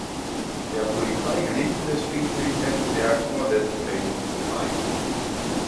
Der Polizei gelingt es schließlich Effenberg vor dessen Sprengung zu befreien.